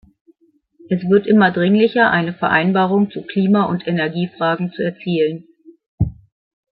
Es wird immer dringlicher, eine Vereinbarung zu Klima- und Energiefragen zu erzielen.